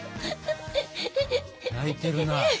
泣いてるな。